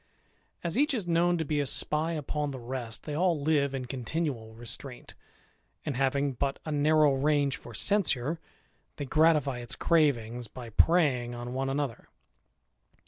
As each is known to be a spy upon the rest, they all live in continual restraint ; and having but a narrow range for censure, they gratify its cravings by preying on one another.